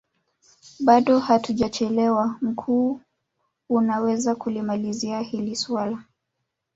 bado hatujachelewa mkuu unaweza kulimalizia hili suala